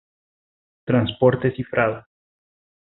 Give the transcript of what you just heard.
Transporte cifrado.